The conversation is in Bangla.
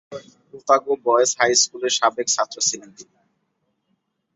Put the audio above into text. ওতাগো বয়েজ হাই স্কুলের সাবেক ছাত্র ছিলেন তিনি।